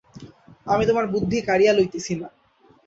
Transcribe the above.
আমি তোমার বুদ্ধি কাড়িয়া লইতেছি না।